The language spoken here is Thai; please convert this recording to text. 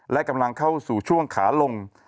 และกำลังเข้าสู่ช่วงขาลง